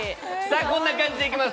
こんな感じでいきます。